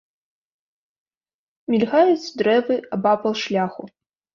Мільгаюць дрэвы абапал шляху.